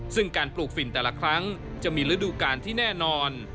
ซึ่งการปลูกฝิ่นแต่ละครั้งจะมีฤดูกาลที่แน่นอน